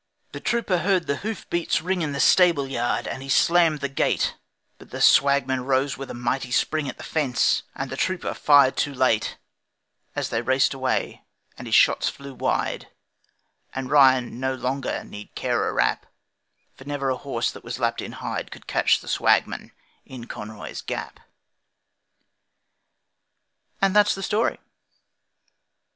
The trooper heard the hoof beats ring In the stable yard, and he slammed the gate, But the Swagman rose with a mighty spring At the fence, and the trooper fired too late, As they raced away and his shots flew wide And Ryan no longer need care a rap, For never a horse that was lapped in hide Could catch the Swagman in Conroy's Gap. And that's the story.